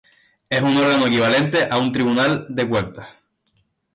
Es un órgano equivalente a un Tribunal de Cuentas.